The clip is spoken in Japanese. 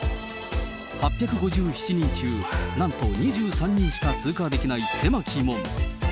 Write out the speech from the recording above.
８５７人中、なんと２３人しか通過できない、狭き門。